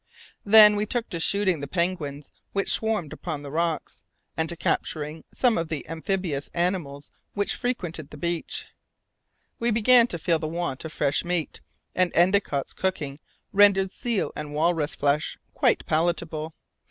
Then we took to shooting the penguins which swarmed upon the rocks, and to capturing some of the amphibious animals which frequented the beach. We began to feel the want of fresh meat, and Endicott's cooking rendered seal and walrus flesh quite palatable.